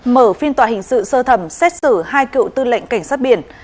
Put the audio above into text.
mở phiên tòa hình sự sơ thẩm xét xử hai cựu tư lệnh cảnh sát biển